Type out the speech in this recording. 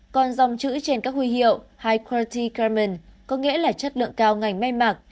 còn dòng chữ trên các huy hiệu high quality garment có nghĩa là chất lượng cao ngành may mặc